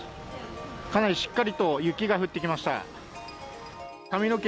かなりしっかりと雪が降ってきました。